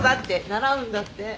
習うんだって。